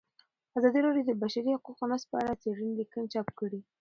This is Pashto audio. ازادي راډیو د د بشري حقونو نقض په اړه څېړنیزې لیکنې چاپ کړي.